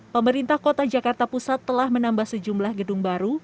pemerintah kota jakarta pusat telah menambah sejumlah gedung baru